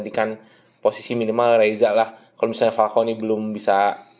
danny miller juga sama